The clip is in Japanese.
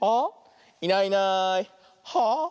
「いないいないはあ？」。